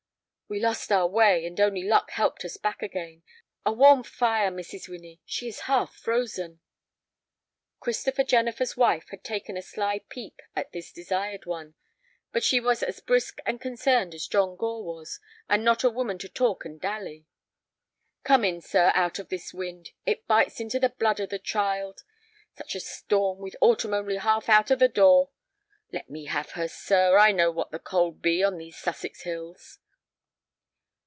"We lost our way, and only luck helped us back again. A warm fire, Mrs. Winnie; she is half frozen." Christopher Jennifer's wife had taken a sly peep at this desired one, but she was as brisk and concerned as John Gore was, and not a woman to talk and dally. "Come in, sir, out of this wind; it bites into the blood of the child. Such a storm, with autumn only half out of the door! Let me have her, sir; I know what the cold be on these Sussex hills."